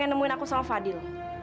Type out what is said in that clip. kenapa kamu mau nemuin aku sama fadil